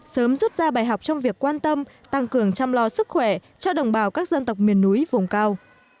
sớm rút ra bài học trong việc quan tâm tăng cường chăm lo sức khỏe cho đồng bào các dân tộc miền núi vùng cao